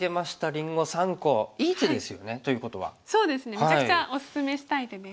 めちゃくちゃおすすめしたい手です。